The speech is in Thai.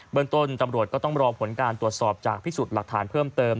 เมืองต้นตำรวจก็ต้องรอผลการตรวจสอบจากพิสูจน์หลักฐานเพิ่มเติม